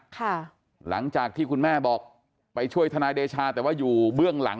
ค่ะหลังจากที่คุณแม่บอกไปช่วยทนายเดชาแต่ว่าอยู่เบื้องหลัง